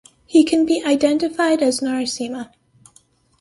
He can be identified as Narasimha.